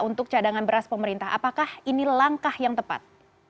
untuk cadangan beras pemerintah apakah ini langkah yang tepat